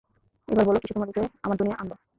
এবার বলো, কীসে তোমাদেরকে আমার দুনিয়ায় আনলো?